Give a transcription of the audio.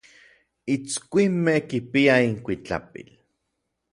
Itskuinmej kipiaj inkuitlapil.